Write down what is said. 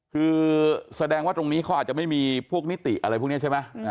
คือแสดงว่าตรงนี้เขาอาจจะไม่มีพวกนิติอะไรพวกนี้ใช่ไหม